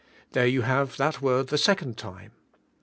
There you have that word the second time.